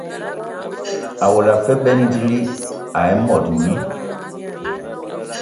Awɔla afe bɛn dili a mod nyi.